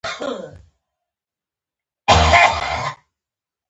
د افغانستان سیندونه هم تاریخي دي.